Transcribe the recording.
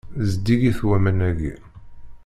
Zeddigit waman-agi.